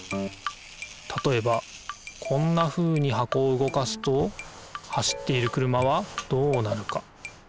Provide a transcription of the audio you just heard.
たとえばこんなふうに箱を動かすと走っている車はどうなるか？